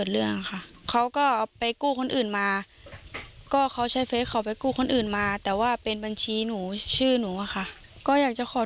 ใส่นี่คนที่เป็นลูกพี่บอกว่าไม่ได้ทำแต่ตำรวจโรงพักว่ารินจำราบ